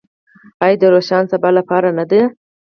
آیا د یو روښانه سبا لپاره نه ده؟